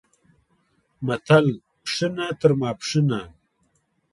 متل، پښینه تر ماپښینه